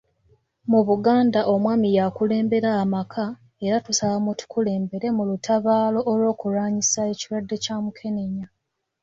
Mu Buganda omwami y'akulembera amaka era tusaba mutukulembere mu lutabaalo olw'okulwanyisa ekirwadde kya Mukenenya..